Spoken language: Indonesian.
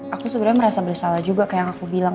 aku sebenarnya merasa bersalah juga kayak yang aku bilang